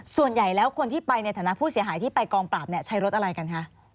ส่วนใหญ่แล้วคนที่ไปในฐานะผู้เสียหายที่ไปกองปราบใช้รถอะไรกันคะ